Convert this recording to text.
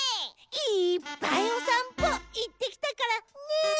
いっぱいおさんぽいってきたからね。